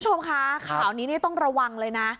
คุณผู้ชมคะข่าวนี้นี่ต้องระวังเลยนะ